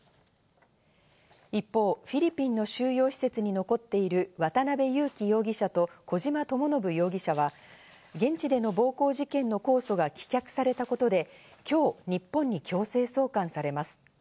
一方、フィリピンの収容施設に残っている渡辺優樹容疑者と小島智信容疑者は、現地での暴行事件の控訴が棄却されたことで、今日、日本に強制送還されます。